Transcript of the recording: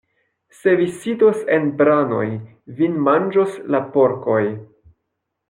Se vi sidos en branoj, vin manĝos la porkoj.